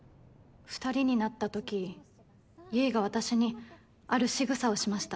２人になったとき結衣が私にある仕草をしました。